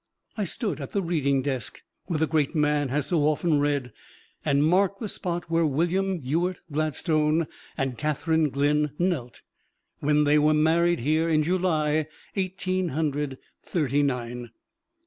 I stood at the reading desk, where the great man has so often read, and marked the spot where William Ewart Gladstone and Catherine Glynne knelt when they were married here in July, Eighteen Hundred Thirty nine.